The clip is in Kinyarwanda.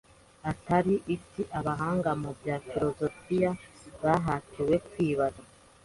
atari isi abahanga mu bya filozofiya bahatiwe kwibaza